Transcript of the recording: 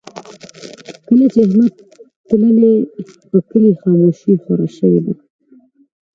کله چې احمد تللی، په کلي کې خاموشي خوره شوې ده.